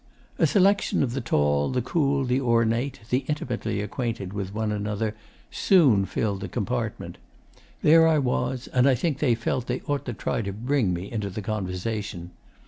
'A selection of the tall, the cool, the ornate, the intimately acquainted with one another, soon filled the compartment. There I was, and I think they felt they ought to try to bring me into the conversation.